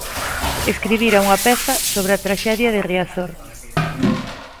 Escribira unha peza sobre a traxedia de Riazor.